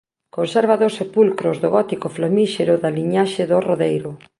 Conserva dous sepulcros do gótico flamíxero da liñaxe dos Rodeiro.